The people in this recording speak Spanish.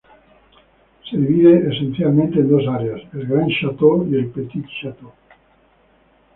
Se divide esencialmente en dos áreas, el "Grand Château" y el "Petit Château".